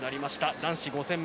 男子５０００